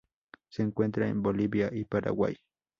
Se encuentra en Bolivia y Paraguay.